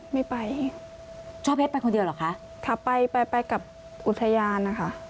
ไม่ไปเจ้าเพชรไปคนเดียวหรือคะถ้าไปไปกับอุทยานค่ะ